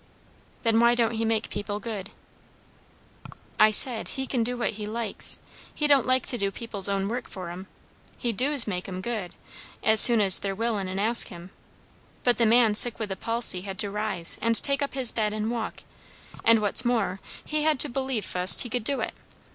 "Then why don't he make people good?" "I said, he kin do what he likes. He don't like to do people's own work for 'em. He doos make 'em good, as soon as they're willin' and ask him. But the man sick with the palsy had to rise and take up his bed and walk; and what's more, he had to believe fust he could do it.